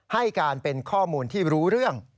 ให้การเป็นข้อมูลที่รู้เรื่อง